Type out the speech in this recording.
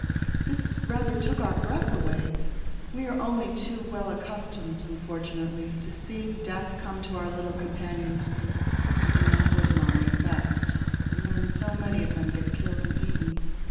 This rather took our breath away. We are only too well accustomed, unfortunately, to seeing death come to our little companions; they do not live long, at best, and then so many of them get killed and eaten.